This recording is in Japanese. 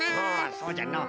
そうじゃのう。